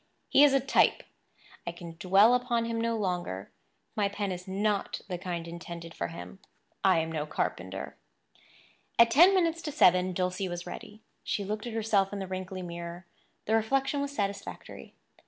He is a type; I can dwell upon him no longer; my pen is not the kind intended for him; I am no carpenter. At ten minutes to seven Dulcie was ready. She looked at herself in the wrinkly mirror. The reflection was satisfactory.